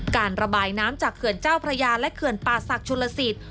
การระบายน้ำจากเขื่อนเจ้าพระยาและเขื่อนป่าศักดิชุลสิต